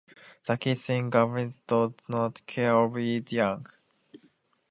The kissing gourami does not care for its young.